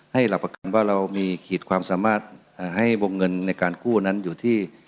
หลักประกันว่าเรามีขีดความสามารถให้วงเงินในการกู้นั้นอยู่ที่